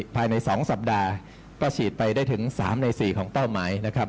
ภายใน๒สัปดาห์ก็ฉีดไปได้ถึง๓ใน๔ของเป้าหมายนะครับ